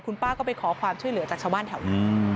คุณป้าก็ไปขอความช่วยเหลือจากชาวบ้านแถวนั้น